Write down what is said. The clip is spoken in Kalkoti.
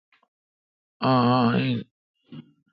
آں آ ۔این